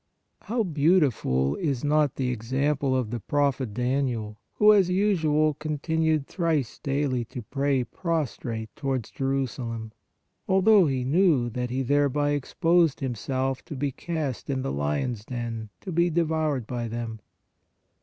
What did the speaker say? How beautiful is not the ex ample of the Prophet Daniel who as usual continued thrice daily fb pray prostrate towards Jerusalem, although he knew that he thereby exposed himself to be cast in the lions den to be devoured by them